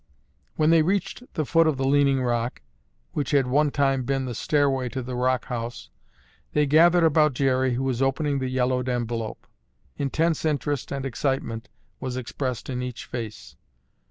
When they reached the foot of the leaning rock, which had one time been the stairway to the rock house, they gathered about Jerry who was opening the yellowed envelope. Intense interest and excitement was expressed in each face.